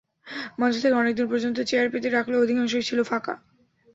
মঞ্চ থেকে অনেক দূর পর্যন্ত চেয়ার পেতে রাখলেও অধিকাংশই ছিল ফাঁকা।